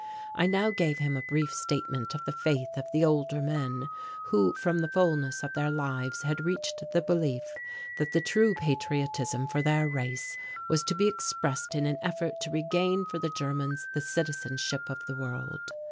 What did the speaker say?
I now gave him a brief statement of the faith of the older men, who from the fulness of their lives had reached the belief that the true patriotism for their race was to be expressed in an effort to regain for the Germans the citizenship of the world.